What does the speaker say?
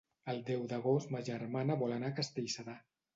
El deu d'agost ma germana vol anar a Castellserà.